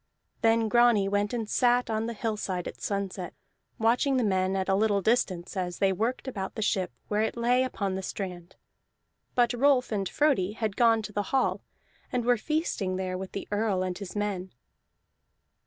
Then Grani went and sat on the hillside at sunset, watching the men at a little distance as they worked about the ship where it lay upon the strand; but Rolf and Frodi had gone to the hall, and were feasting there with the Earl and his men.